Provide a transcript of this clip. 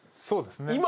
そうですね